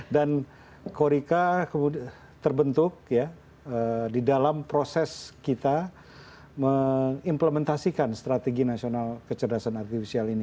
dan korika terbentuk ya di dalam proses kita mengimplementasikan strategi nasional kecerdasan artificial ini